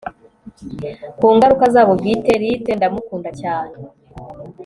ku ngaruka zabo bwite, lithe ndamukunda cyane